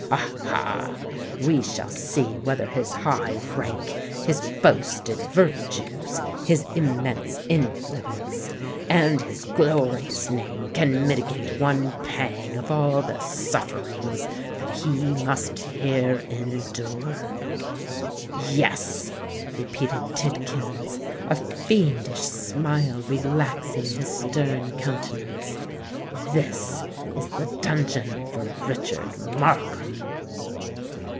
Ah, ah! we shall see whether his high rank—his boasted virtues—his immense influence—and his glorious name can mitigate one pang of all the sufferings that he must here endure! Yes," repeated Tidkins, a fiendish smile relaxing his stern countenance,—"this is the dungeon for Richard Markham!"